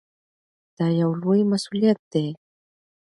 دا یو لوی مسؤلیت دی.